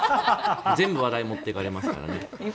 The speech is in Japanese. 全部話題を持ってかれますから。